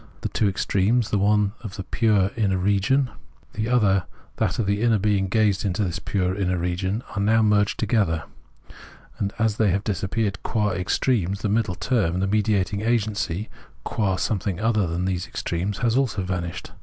The two extremes, the one that of the pure inner region, the other that of the inner being gazing into this pure inner region, are now merged together ; and as they have disappeared qua extremes, the middle term, the mediating agency, qua something other than these extremes, has also vanished.